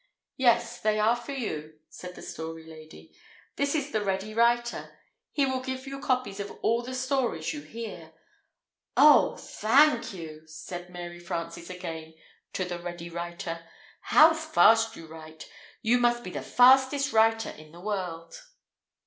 "Yes, they are for you," said the Story Lady. "This is the Ready Writer; he will give you copies of all the stories you hear." "Oh, thank you," said Mary Frances again to the Ready Writer. "How fast you write! You must be the fastest writer in the world!"